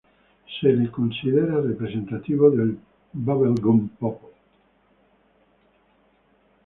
Se lo considera representativo del bubblegum pop.